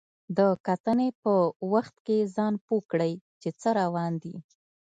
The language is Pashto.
د کتنې په وخت کې ځان پوه کړئ چې څه روان دي.